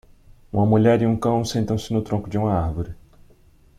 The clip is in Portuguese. Uma mulher e um cão sentam-se no tronco de uma árvore.